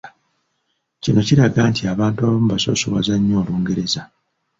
Kino kiraga nti abantu abamu basoosowaza nnyo Olungereza.